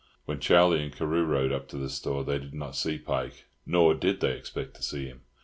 When Charlie and Carew rode up to the store they did not see Pike, nor did they expect to see him.